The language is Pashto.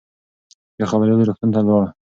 یو خبریال روغتون ته ولاړ.